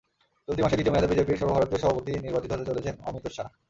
চলতি মাসেই দ্বিতীয় মেয়াদে বিজেপির সর্বভারতীয় সভাপতি নির্বাচিত হতে চলেছেন অমিত শাহ।